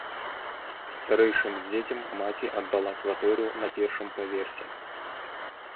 Старэйшым дзецям маці аддала кватэру на першым паверсе.